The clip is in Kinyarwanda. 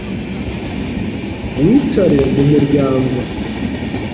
wicare mu muryango